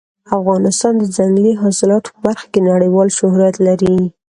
افغانستان د ځنګلي حاصلاتو په برخه کې نړیوال شهرت لري.